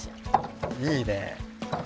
いいね。